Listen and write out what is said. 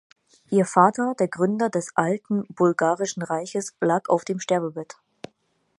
Ihr Vater, der Gründer des Alten Bulgarischen Reiches, lag auf dem Sterbebett.